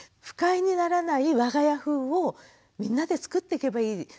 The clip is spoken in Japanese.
不快にならないわが家風をみんなで作っていけばいい。